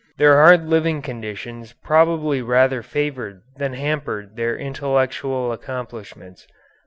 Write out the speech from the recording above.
Their hard living conditions probably rather favored than hampered their intellectual accomplishments.